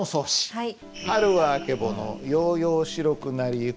はい。